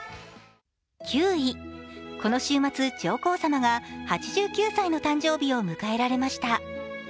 この週末上皇さまが８９歳の誕生日を迎えられました。